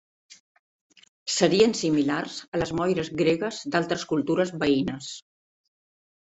Serien similars a les moires gregues i d'altres cultures veïnes.